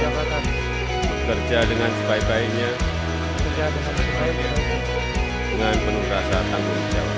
jabatan bekerja dengan sebaik baiknya dengan penuh rasa tanggung jawab